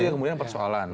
itu yang kemudian persoalan